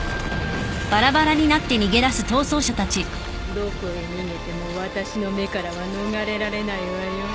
どこへ逃げても私の目からは逃れられないわよ。